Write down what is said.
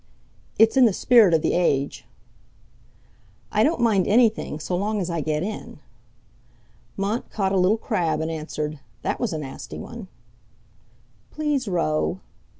It's in the spirit of the age." "I don't mind anything, so long as I get in." Mont caught a little crab, and answered: "That was a nasty one!" "Please row."